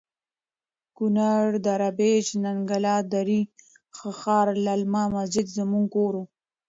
کنړ.دره پیج.ننګلام.دری ښار.للمه.مسجد زموړږ کور